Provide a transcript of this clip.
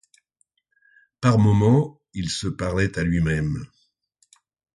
Par moments, il se parlait à lui-même